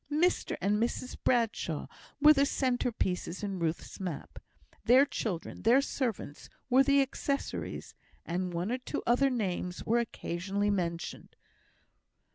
Mr and Mrs Bradshaw were the centre pieces in Ruth's map; their children, their servants, were the accessories; and one or two other names were occasionally mentioned.